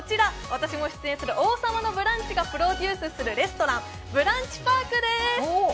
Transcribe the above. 私も出演する「王様のブランチ」がプロデュースするレストラン、ブランチパークです。